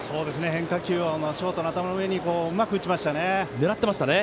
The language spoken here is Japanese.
変化球をショートの頭の上にうまく打ちましたね。